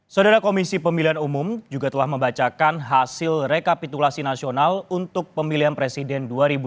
saudara komisi pemilihan umum juga telah membacakan hasil rekapitulasi nasional untuk pemilihan presiden dua ribu dua puluh